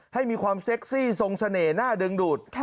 ให้มีความเซ็กซี่ทรงเสน่ห์หน้าดึงดูด